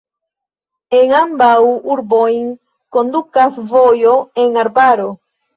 En ambaŭ urbojn kondukas vojo en arbaro.